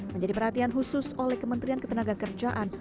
menjadi perhatian khusus oleh kementerian ketenaga kerjaan